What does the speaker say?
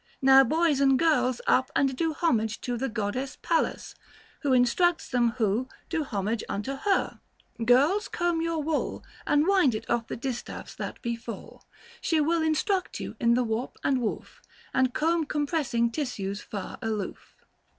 Now boys and girls, up and do homage to The Goddess Pallas, who instructs them who Do homage unto her : girls comb your wool 875 And wind it off the distaffs that be full. She will instruct you in the warp and woof, And comb compressing tissues far aloof.